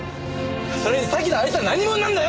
それにさっきのあいつは何者なんだよ！